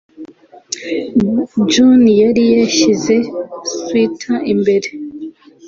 John yari yashyize swater imbere.